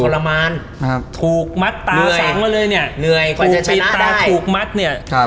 ขอรมณ์ถูกมัดตาสั่งมาเลยเนี่ยเหนื่อยคุณปิดตาถูกมัดเนี่ย